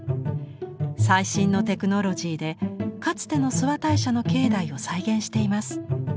最新のテクノロジーでかつての諏訪大社の境内を再現しています。